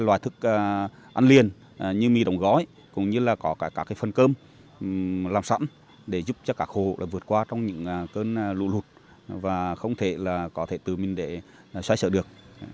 các loài thức ăn liền như mì đồng gói cũng như là có cả các phần cơm làm sẵn để giúp cho các hồ vượt qua trong những cơn lụt lụt và không thể là có thể tự mình để xoay sợ được